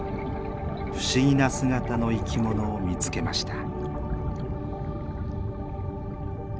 不思議な姿の生きものを見つけました。